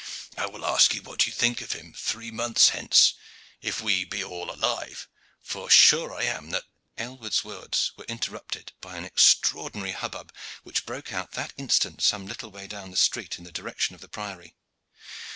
"I will ask you what you think of him three months hence, if we be all alive; for sure I am that " Aylward's words were interrupted by an extraordinary hubbub which broke out that instant some little way down the street in the direction of the Priory.